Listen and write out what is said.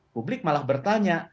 publik malah bertanya